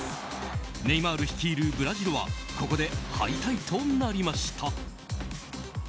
ネイマール率いるブラジルはここで敗退となりました。